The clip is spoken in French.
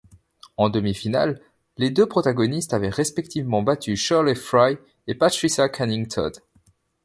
En demi-finale, les deux protagonistes avaient respectivement battu Shirley Fry et Patricia Canning Todd.